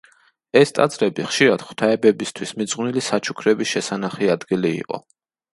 ეს ტაძრები ხშირად ღვთაებებისთვის მიძღვნილი საჩუქრების შესანახი ადგილი იყო.